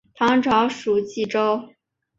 唐朝羁縻州。